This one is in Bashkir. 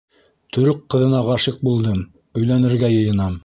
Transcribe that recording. — Төрөк ҡыҙына ғашиҡ булдым, өйләнергә йыйынам.